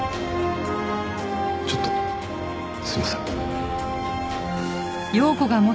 ちょっとすいません。